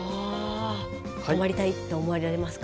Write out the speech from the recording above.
泊まりたいって思われますか？